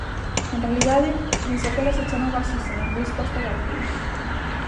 En realidade, nin sequera se chamaba así senón Luis Costa García.